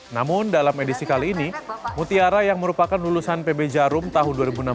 namun dalam edisi kali ini mutiara yang merupakan lulusan pb jarum tahun dua ribu enam belas